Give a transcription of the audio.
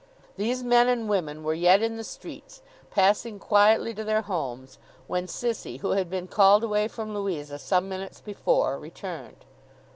These men and women were yet in the streets, passing quietly to their homes, when Sissy, who had been called away from Louisa some minutes before, returned.